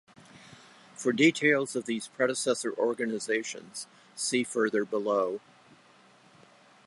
For details of these predecessor organizations, see further below.